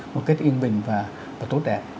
một cách yên bình và tốt đẹp